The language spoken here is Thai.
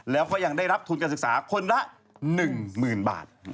แล้วก็ยังได้รับทุนการศึกษาคนละ๑๐๐๐บาท